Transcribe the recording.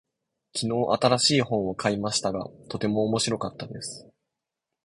昨日、新しい本を買いましたが、とても面白かったです。